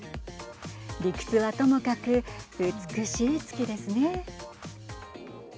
理屈はともかく美しい月ですね。